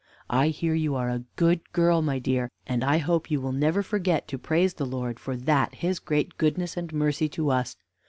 I hear you are a good girl, my dear, and I hope you will never forget to praise the Lord for that his great goodness and mercy to us.